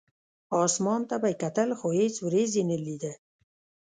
اسمان ته به یې کتل، خو هېڅ ورېځ یې نه لیده.